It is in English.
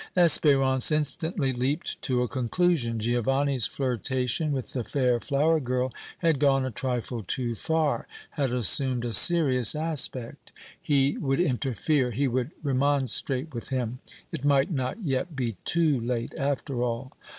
Espérance instantly leaped to a conclusion. Giovanni's flirtation with the fair flower girl had gone a trifle too far, had assumed a serious aspect. He would interfere, he would remonstrate with him. It might not yet be too late after all.